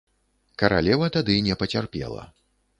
Каралева тады не пацярпела.